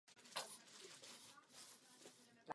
Císař byl v bitvě poražen.